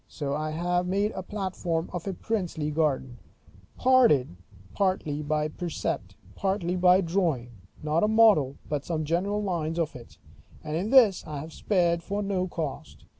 So I have made a platform of a princely garden, partly by precept, partly by drawing, not a model, but some general lines of it; and in this I have spared for no cost.